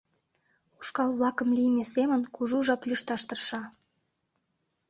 Ушкал-влакым лийме семын кужу жап лӱшташ тырша.